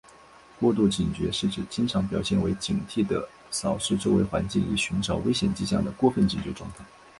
过度警觉是指经常表现为警惕地扫视周围环境以寻找危险迹象的过分警觉状态。